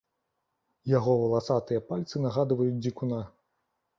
Яго валасатыя пальцы нагадваюць дзікуна.